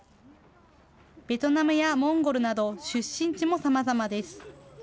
ベトナムやモンゴルなど、出身地もさまざまです。